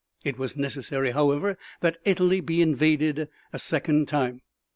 It was necessary, however, that Italy be invaded a second time.